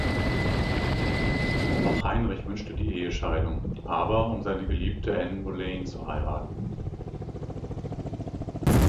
Auch Heinrich wünschte die Ehescheidung, aber um seine Geliebte Anne Boleyn zu heiraten.